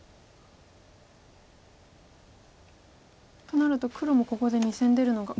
となると黒もここで２線出るのが。